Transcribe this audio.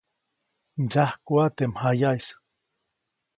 Ndsyajkuʼa teʼ mjayaʼis.